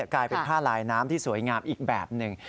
กลายเป็นผ้าลายน้ำที่สวยงามอีกแบบหนึ่ง